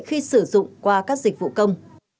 khi sử dụng qua các dịch vụ công